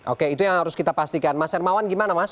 oke itu yang harus kita pastikan mas hermawan gimana mas